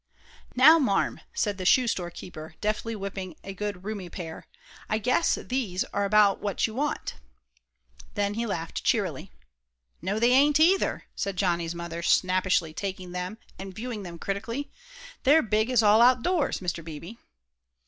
"Now, Marm," said the shoe store keeper, deftly whipping a good roomy pair, "I guess these are about what you want," and he laughed cheerily. "No, they ain't either," said Johnny's mother, snappishly taking them, and viewing them critically, "they're big as all out doors, Mr. Beebe."